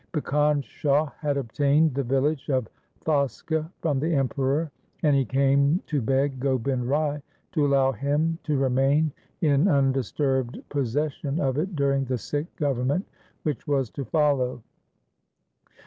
Bhikan Shah had obtained the village of Thaska from the Emperor, and he came to beg Gobind Rai to allow him to remain in undis turbed possession of it during the Sikh Government which was to follow.